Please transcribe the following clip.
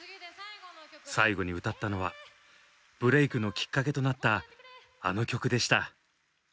最後に歌ったのはブレークのきっかけとなったあの曲でした。